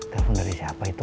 telepon dari siapa itu